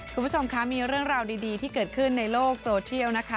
คุณผู้ชมคะมีเรื่องราวดีที่เกิดขึ้นในโลกโซเทียลนะคะ